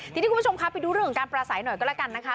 ทีนี้คุณผู้ชมคะไปดูเรื่องของการปราศัยหน่อยก็แล้วกันนะคะ